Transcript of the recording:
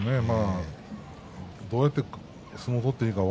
どうやって相撲を取っていいのか